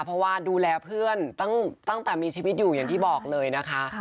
เพราะว่าดูแลเพื่อนตั้งแต่มีชีวิตอยู่อย่างที่บอกเลยนะคะ